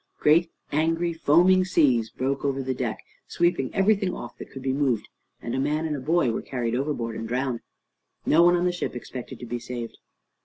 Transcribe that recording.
Great, angry, foaming seas broke over the deck, sweeping everything off that could be moved, and a man and a boy were carried overboard and drowned. No one on the ship expected to be saved.